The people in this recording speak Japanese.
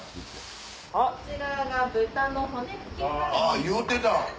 あ言うてた。